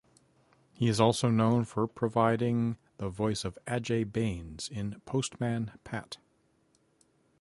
He is also known for providing the voice of Ajay Bains in "Postman Pat".